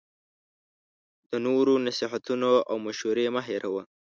د نورو نصیحتونه او مشوری مه هیروه